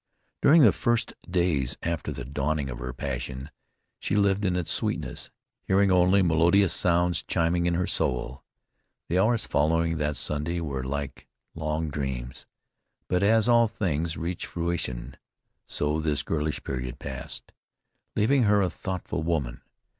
During the first days after the dawning of her passion, she lived in its sweetness, hearing only melodious sounds chiming in her soul. The hours following that Sunday were like long dreams. But as all things reach fruition, so this girlish period passed, leaving her a thoughtful woman.